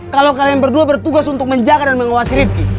kalau kalian berdua bertugas untuk menjaga dan mengawasi rifki